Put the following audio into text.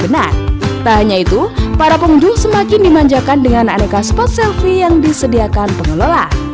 tak hanya itu para pengunduh semakin dimanjakan dengan aneka spot selfie yang disediakan pengelola